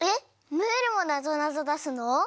ムールもなぞなぞだすの？